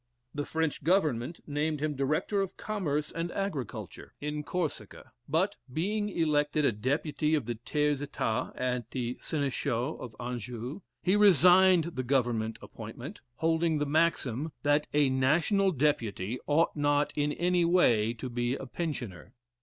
The French Government named him Director of Commerce and Agriculture in Corsica, but being elected a deputy of the tiers etat of the Senechausse of Anjou, he resigned the government appointment, holding the maxim, that a national deputy ought not in any way to be a pensioner.